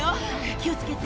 気を付けて！